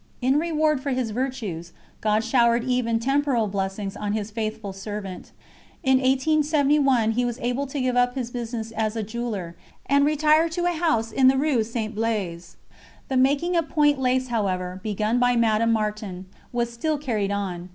In reward for his virtues, God showered even temporal blessings on His faithful servant. In 1871 he was able to give up his business as a jeweller, and retire to a house in the Rue St. Blaise. The making of point lace, however, begun by Madame Martin, was still carried on.